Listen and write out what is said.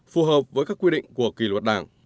phù hợp với các quy định của kỷ luật đảng